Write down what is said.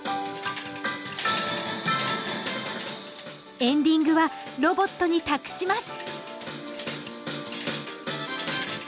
エンディングはロボットに託します